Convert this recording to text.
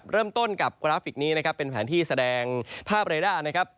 เริ่มต้นกับกราฟิกนี้นะครับเป็นแผนที่แสดงภาพเรด้านะครับ